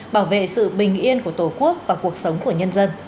bảo vệ sự bình yên của tổ quốc và cuộc sống của nhân dân